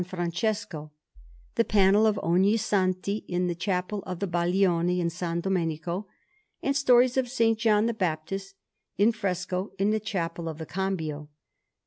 Francesco, the panel of Ognissanti in the Chapel of the Baglioni in S. Domenico, and stories of S. John the Baptist in fresco in the Chapel of the Cambio.